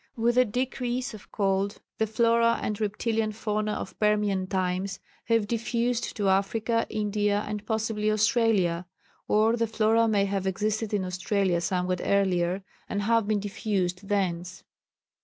With the decrease of cold the flora and reptilian fauna of Permian times were diffused to Africa, India, and possibly Australia; or the flora may have existed in Australia somewhat earlier, and have been diffused thence.